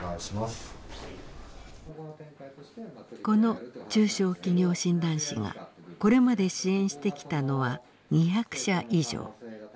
この中小企業診断士がこれまで支援してきたのは２００社以上。